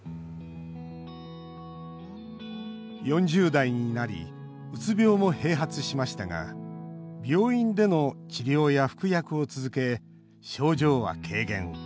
４０代になりうつ病も併発しましたが病院での治療や服薬を続け症状は軽減。